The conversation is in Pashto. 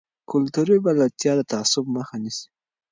کلتوري بلدتیا د تعصب مخه نیسي.